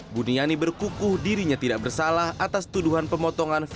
buniani berkukuh dirinya tidak bersalah atas tuduhan pelanggaran pasal dua puluh delapan ayat dua uu ite